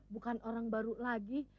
bukan orang baru lagi